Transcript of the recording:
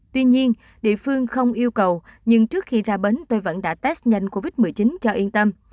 tuy nhiên địa phương không yêu cầu nhưng trước khi ra bến tôi vẫn đã test nhanh covid một mươi chín cho yên tâm